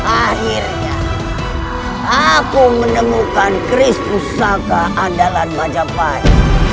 akhirnya aku menemukan kristus saga andalan majapahit